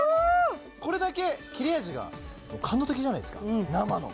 これだけ切れ味が感動的じゃないですか